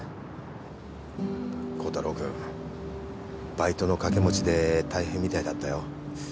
バイトの掛け持ちで大変みたいだったよ。